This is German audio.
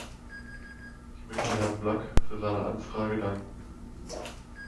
Ich möchte Herrn Blak für seine Anfrage danken.